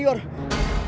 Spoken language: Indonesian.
gue mau ngajak wario